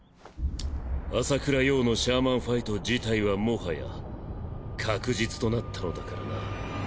麻倉葉のシャーマンファイト辞退はもはや確実となったのだからな。